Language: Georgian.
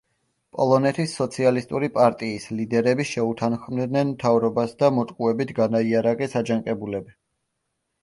პოლონეთის სოციალისტური პარტიის ლიდერები შეუთანხმდნენ მთავრობას და მოტყუებით განაიარაღეს აჯანყებულები.